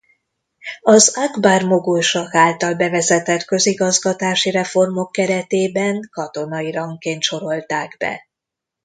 Az Akbar mogul sah által bevezetett közigazgatási reformok keretében katonai rangként sorolták be.